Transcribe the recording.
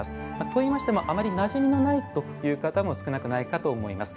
といいましてもあまりなじみがないという方も少なくないかと思います。